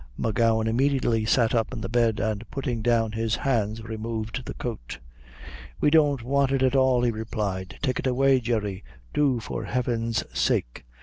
M'Gowan immediately sat up in the bed, and putting down his hands, removed the coat. "We don't want it at all," he replied; "take it away, Jerry do, for heaven's sake.